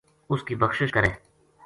اس کی بخشش کرے